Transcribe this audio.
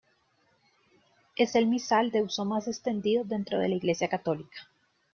Es el misal de uso más extendido dentro de la Iglesia católica.